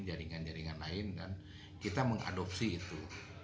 jaringan jaringan lain dan kita mengadopsi itu